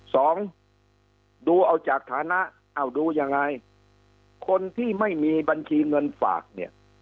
สองดูเอาจากฐานะเอาดูยังไงคนที่ไม่มีบัญชีเงินฝากเนี่ย